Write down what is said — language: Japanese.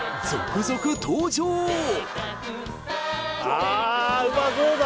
あっうまそうだ